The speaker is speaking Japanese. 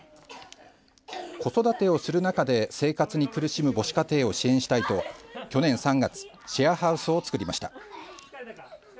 子育てをする中で、生活に苦しむ母子家庭を支援したいと去年３月シェアハウスを作りました。